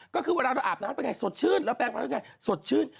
ก็คือเวลาอาบน้ำเป็นไงสดชื่นแล้วแปลงฟันเป็นไงสดชื่น